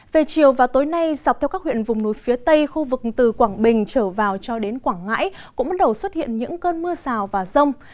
về chiều và tối nay dọc theo các huyện vùng núi phía tây khu vực từ quảng bình trở vào cho đến quảng ngãi cũng bắt đầu xuất hiện những cơn mưa rào và rông